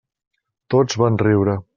Tots van riure.